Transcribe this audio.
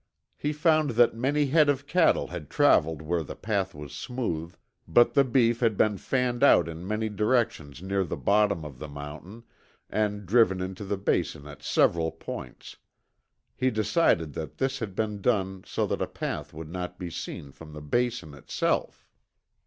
He found that many head of cattle had traveled where the path was smooth, but the beef had been fanned out in many directions near the bottom of the mountain and driven into the Basin at several points. He decided that this had been done so that a path would not be seen from the Basin itself.